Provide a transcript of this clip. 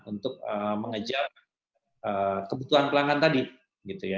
untuk mengejar kebutuhan pelanggan tadi gitu ya